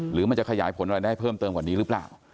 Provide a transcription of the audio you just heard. หรือมันจะขยายผลอะไรได้เพิ่มเติมกว่านี้หรือเปล่า